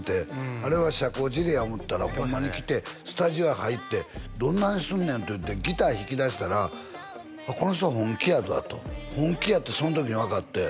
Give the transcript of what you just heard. あれは社交辞令や思ったらホンマに来てスタジオへ入ってどんなんすんねんっていってギター弾きだしたらこの人本気やなと本気やってその時に分かって